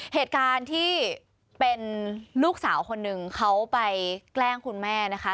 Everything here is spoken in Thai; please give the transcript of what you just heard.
เหตุการณ์ที่เป็นลูกสาวคนหนึ่งเขาไปแกล้งคุณแม่นะคะ